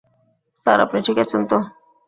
Sir, আপনি ঠিক আছেন তো?